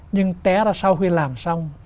nhưng té ra sau khi làm xong